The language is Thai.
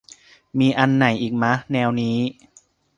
มีอันไหนอีกมะ แนวนี้